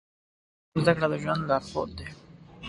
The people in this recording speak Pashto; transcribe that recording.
د علم زده کړه د ژوند لارښود دی.